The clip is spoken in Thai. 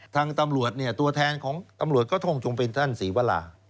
ทางตำรวจเนี่ยตัวแทนของตำรวจก็ท่องจงเป็นท่านศรีวรา